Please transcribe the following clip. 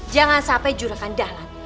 jangan sampai jurakan dahlan